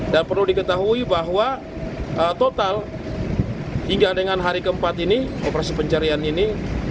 dan perlu diketahui bahwa total hingga dengan hari keempat ini operasi pencarian ini